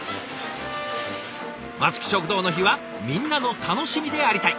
松木食堂の日はみんなの楽しみでありたい！